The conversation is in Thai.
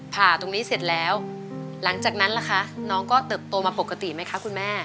ผ่าตรงนี้เสร็จแล้วหลังจากนั้นล่ะคะน้องก็เติบโตมาปกติไหมคะคุณแม่